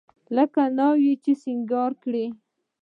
لکه ناوې چې سينګار کړې.